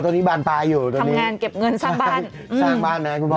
อ๋อตอนนี้บานตายอยู่ตอนนี้ทำงานเก็บเงินสร้างบ้านสร้างบ้านนะครับ